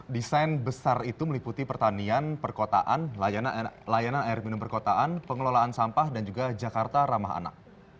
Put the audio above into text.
desain besar itu meliputi pertanian perkotaan layanan air minum perkotaan pengelolaan sampah dan juga jakarta ramah anak